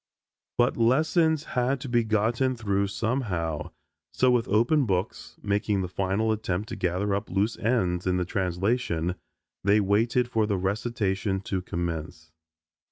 But lessons had to be gotten through somehow so with open books, making the final attempt to gather up loose ends in the translation, they waited for the recitation to commence.